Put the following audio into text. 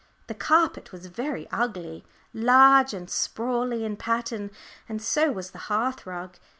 The carpet was very ugly, large and sprawly in pattern, and so was the hearth rug.